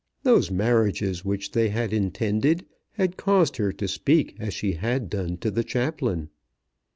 Those marriages which they had intended had caused her to speak as she had done to the chaplain.